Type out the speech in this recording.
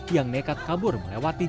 yang nekat kabur melewati